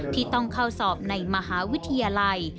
ที่ต้องเข้าสอบในมหาวิทยาลัย